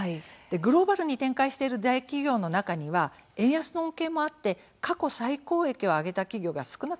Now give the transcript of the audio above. グローバルに展開している大企業の中には円安の恩恵もあって過去最高益を上げた企業が少なくないんです。